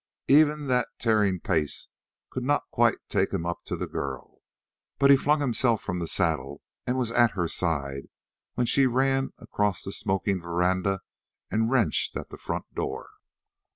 Even that tearing pace could not quite take him up to the girl, but he flung himself from the saddle and was at her side when she ran across the smoking veranda and wrenched at the front door.